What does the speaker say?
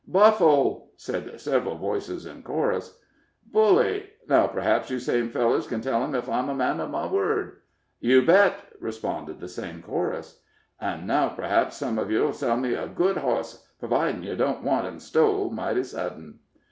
"Buffle!" said several voices in chorus. "Bully! Now, p'r'aps you same fellers ken tell him ef I'm a man uv my word?" "You bet," responded the same chorus. "An' now, p'r'aps some uv yer'll sell me a good hoss, pervidin' yer don't want him stole mighty sudden?"